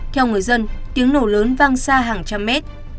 theo người dân tiếng nổ lớn văng xa hàng trăm mét